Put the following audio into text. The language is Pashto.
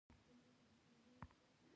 زه د ساده رنګونو ترکیب خوښوم.